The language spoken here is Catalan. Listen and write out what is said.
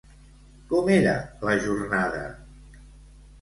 Com era la jornada?